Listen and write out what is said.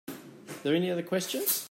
Are there any other questions?